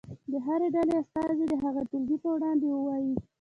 د هرې ډلې استازی دې هغه ټولګي په وړاندې ووایي.